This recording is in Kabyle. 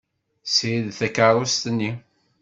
Ssired takeṛṛust-nni.